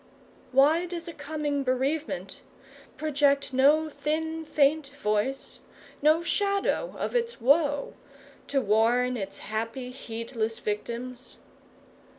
Why does a coming bereavement project no thin faint voice, no shadow of its woe, to warn its happy, heedless victims?